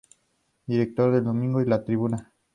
Director de "El Domingo" y "La Tribuna".